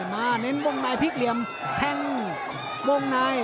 เน้นวงในพลิกเหลี่ยมแท่งวงใน